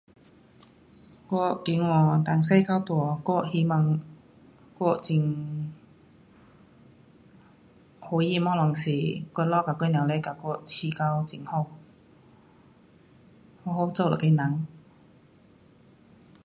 我觉得从小到大我希望我很欢喜的东西是我父亲和我的母亲给我们养到很好。好好做他人